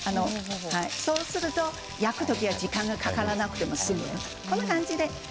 そうすると焼く時の時間がかからなくて済みます。